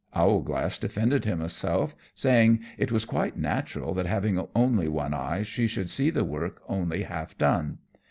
Owlglass defended himself, saying, it was quite natural that having only one eye she should see the work only half done.